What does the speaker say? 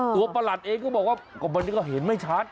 ตัวประหลัดเองก็บอกว่าเขาเห็นไม่ชัด